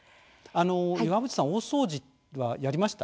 岩渕さん、大掃除はやりました？